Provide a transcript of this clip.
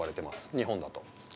日本だと。